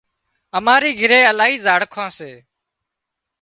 اماري گھري الاهي زاڙکان سي